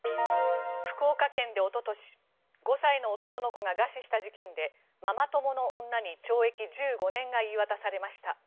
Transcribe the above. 福岡県でおととし５歳の男の子が餓死した事件でママ友の女に懲役１５年が言い渡されました。